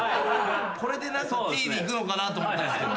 これでＴにいくのかなと思ったんすけど。